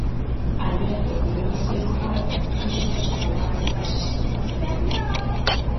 Alberto Núñez Feijóo fixo hoxe balance da xestión en Ferrol.